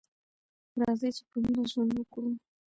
راځئ چې په مینه ژوند وکړو.